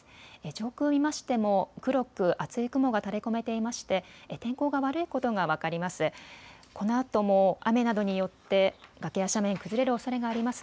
上空、見ましても黒く厚い雲が垂れこめていまして天候が悪いことが分かります。